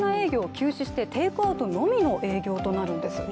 テイクアウトのみの営業となるんです。